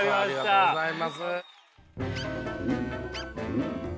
ありがとうございます。